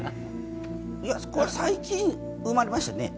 これは最近、生まれましたね。